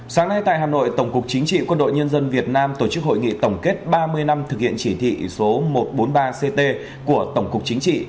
sáng nay tại hà nội tổng cục chính trị quân đội nhân dân việt nam tổ chức hội nghị tổng kết ba mươi năm thực hiện chỉ thị số một trăm bốn mươi ba ct của tổng cục chính trị